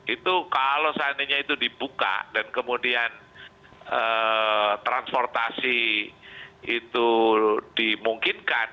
itu kalau seandainya itu dibuka dan kemudian transportasi itu dimungkinkan